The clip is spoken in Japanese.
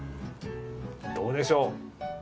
どうでしょう？